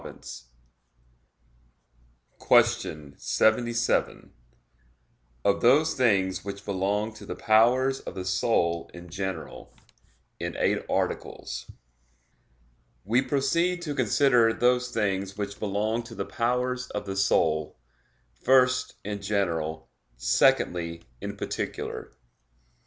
_______________________ QUESTION 77 OF THOSE THINGS WHICH BELONG TO THE POWERS OF THE SOUL IN GENERAL (In Eight Articles) We proceed to consider those things which belong to the powers of the soul; first, in general, secondly, in particular.